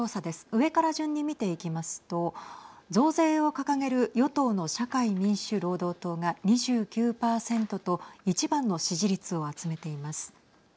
上から順に見ていきますと増税を掲げる与党の社会民主労働党が２９％と１番の支持率を集めています。